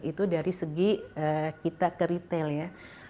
itu dari segi kita ke retail ya